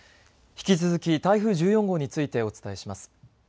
引き続き、台風１４号についてお伝えします。